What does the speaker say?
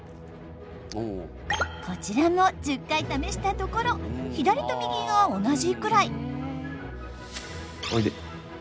こちらも１０回ためしたところ左と右が同じくらい。